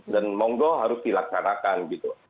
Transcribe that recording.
dan monggo harus dilaksanakan gitu